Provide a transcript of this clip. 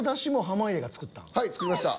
はい作りました。